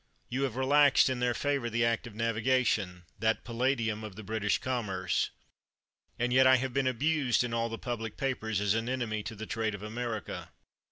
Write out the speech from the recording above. You have relaxed in their favor the Act of Navigation, that palladium of the British commerce; and yet I have been abused in all the public papers as an enemy to the trade of America.